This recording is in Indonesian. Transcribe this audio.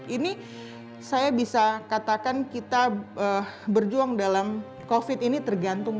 ini saya bisa katakan kita berjuang dalam covid ini tergantung